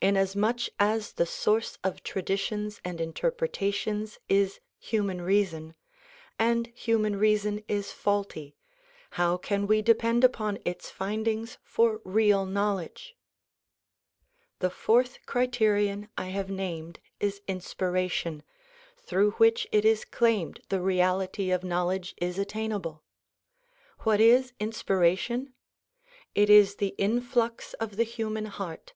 Inasmuch as the source of traditions and interpretations is human 20 THE PROMULGATION OF UNIVERSAL PEACE reason, and human reason is faulty, how can we depend upon its findings for real knowledge? The fourth criterion I have named is inspiration through which it is claimed the reality of knowledge is attainable. AYhat is in spiration? It is the influx of the human heart.